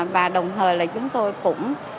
và đồng thời là chúng tôi cũng